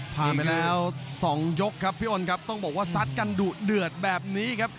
ผ่านไปแล้ว๒ยกครับพี่อ้นครับต้องบอกว่าซัดกันดุเดือดแบบนี้ครับ